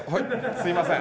すいません。